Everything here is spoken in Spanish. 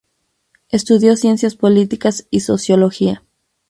Estudió Ciencias Políticas y Sociología.